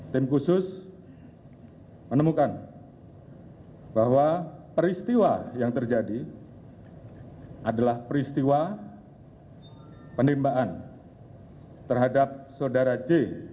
tim khusus menemukan bahwa peristiwa yang terjadi adalah peristiwa penembakan terhadap saudara j